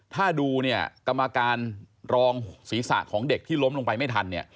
ถ้าดูเนี่ยกรรมการรองศีรษะของเด็กที่ล้มลงไปไม่ทันเนี่ย